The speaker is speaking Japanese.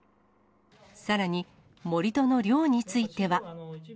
さらに、盛り土の量については。